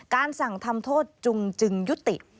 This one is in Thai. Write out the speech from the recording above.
การสั่งทำโทษจุงจึงยุติ